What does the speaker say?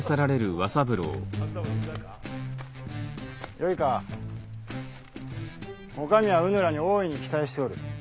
よいかお上はうぬらに大いに期待しておる。